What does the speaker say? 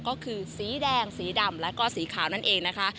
ก็คือสีแดงสีดำแล้วก็สีขาวนั่นเองนะคะ